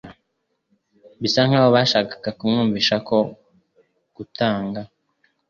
bisa nk'aho bashakaga kumwumvisha ko gutanga